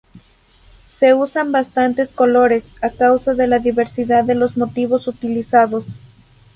Se usan bastantes colores, a causa de la diversidad de los motivos utilizados.